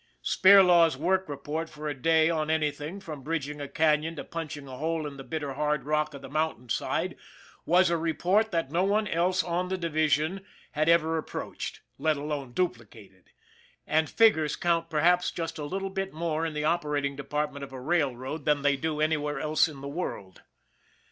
Spirlaw's work report for a day on anything, from bridging a canon to punching a hole in the bitter hard rock of the mountain side, was a report that no one else on the division had ever approached, let alone duplicated and figures count perhaps just a little bit more in the operating department of a railroad than they do any where else in the world.